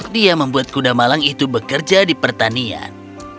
dia membuat kuda malang itu bekerja di pertanian